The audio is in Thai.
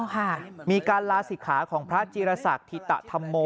อ๋อค่ะมีการลาศิษย์ขาของพระจีรศักดิ์ธิตะธัมโม